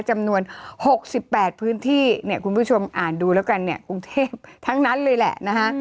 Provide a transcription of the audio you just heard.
จำนวน๖๘พื้นที่เนี่ยคุณผู้ชมอ่านดูแล้วกันเนี่ยกรุงเทพทั้งนั้นเลยแหละนะฮะ